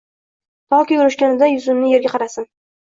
Toki urishganida yuzimiz yerga qarasin.